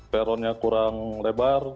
peronnya kurang lebar